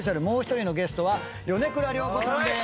もう１人のゲストは米倉涼子さん